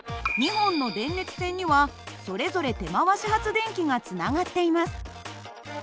２本の電熱線にはそれぞれ手回し発電機がつながっています。